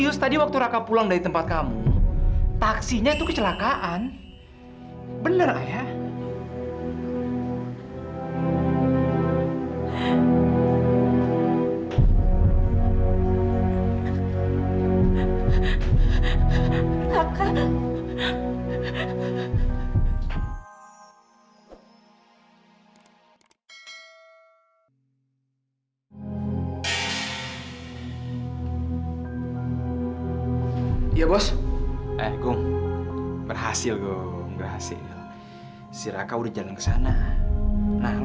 sampai jumpa di video selanjutnya